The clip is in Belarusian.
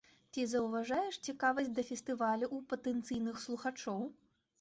Ці заўважаеш цікавасць да фестывалю ў патэнцыйных слухачоў?